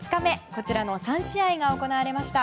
こちらの３試合が行われました。